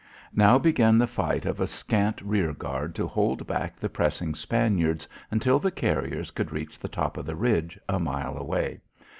Now began the fight of a scant rear guard to hold back the pressing Spaniards until the carriers could reach the top of the ridge, a mile away.